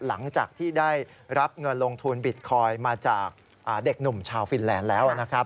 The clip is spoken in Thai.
หลังจากที่ได้รับเงินลงทุนบิตคอยน์มาจากเด็กหนุ่มชาวฟินแลนด์แล้วนะครับ